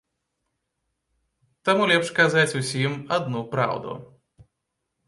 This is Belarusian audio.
Таму лепш казаць усім адну праўду.